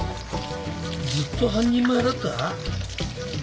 ずっと半人前だった？